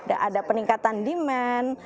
ada peningkatan demand